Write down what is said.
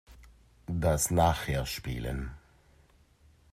Das nachher spielen.